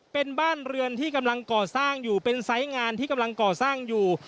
เป็นบ้านเรือนที่กำลังก่อสร้างอยู่เป็นไซส์งานที่กำลังก่อสร้างอยู่